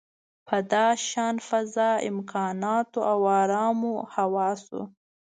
په داشان فضا، امکاناتو او ارامو حواسو.